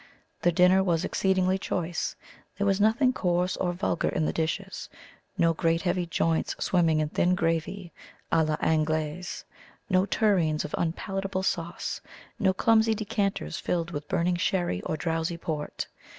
The dinner was exceedingly choice; there was nothing coarse or vulgar in the dishes no great heavy joints swimming in thin gravy a la Anglaise; no tureens of unpalatable sauce; no clumsy decanters filled with burning sherry or drowsy port.